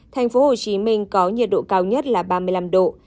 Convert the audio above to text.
thành phố hồ chí minh có nhiệt độ cao nhất là ba mươi năm độ